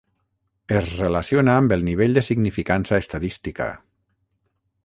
Es relaciona amb el nivell de significança estadística.